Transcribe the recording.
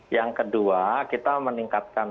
yang kedua kita meningkatkan